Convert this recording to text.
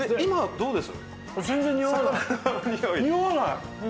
どうです？